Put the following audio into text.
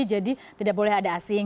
jadi tidak boleh ada asing